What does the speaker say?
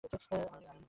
আর অনেক দুর্বল লাগে।